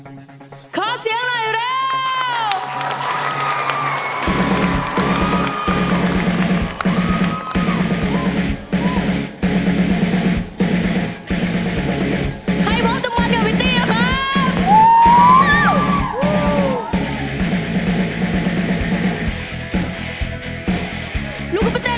ลุงเข้าไปเต้นดูแล้ว